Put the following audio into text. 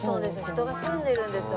人が住んでるんですよ